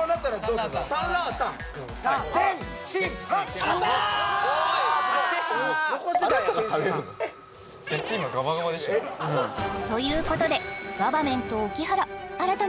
うんということでガバメント沖原改め